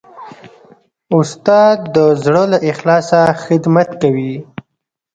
استاد د زړه له اخلاصه خدمت کوي.